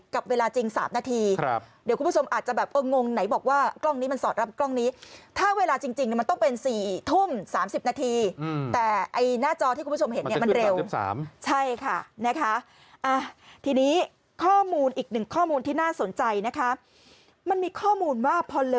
กับเวลาจริง๓นาทีเดี๋ยวคุณผู้ชมอาจจะแบบเอองงไหนบอกว่ากล้องนี้มันสอดรับกล้องนี้ถ้าเวลาจริงมันต้องเป็น๔ทุ่ม๓๐นาทีแต่ไอ้หน้าจอที่คุณผู้ชมเห็นเนี่ยมันเร็วใช่ค่ะนะคะทีนี้ข้อมูลอีกหนึ่งข้อมูลที่น่าสนใจนะคะมันมีข้อมูลว่าพอเล